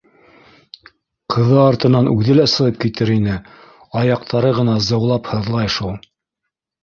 Ҡыҙы артынан үҙе лә сығып китер ине, аяҡтары ғына зыулап һыҙлай шул.